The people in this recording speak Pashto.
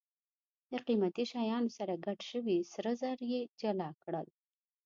له قیمتي شیانو سره ګډ شوي سره زر یې جلا کړل.